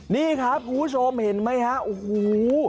นี่ครับอู๋โชมเห็นไหมฮะอู๋